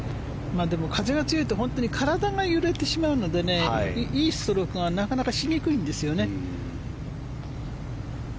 でも風が強いと本当に体が揺れてしまうのでいいストロークがなかなかしにくいんですよね。